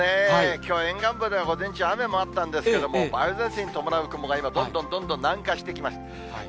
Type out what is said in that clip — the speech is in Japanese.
きょうは沿岸部では、午前中、雨もあったんですけれども、梅雨前線に伴う雲が、今、どんどんどんどん南下してきました。